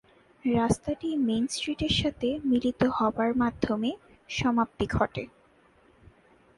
রাস্তাটি মেইন স্ট্রিটের সাথে মিলিত হবার মাধ্যমে সমাপ্তি ঘটে।